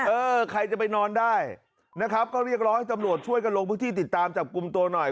เออใครจะไปนอนได้นะครับก็เรียกร้องให้ตำรวจช่วยกันลงพื้นที่ติดตามจับกลุ่มตัวหน่อย